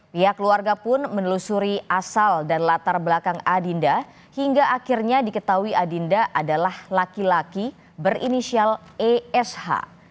pihak keluarga pun menelusuri asal dan latar belakang adinda hingga akhirnya diketahui adinda adalah laki laki berinisial esh